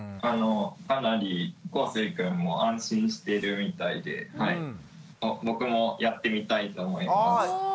かなりこうせいくんも安心してるみたいで僕もやってみたいと思います。